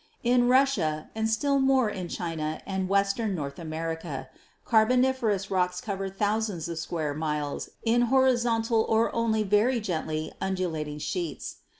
In Russia, and still more in China and western North America, Carboniferous rocks cover thousands of square miles in horizontal or only very gently undulating sheets.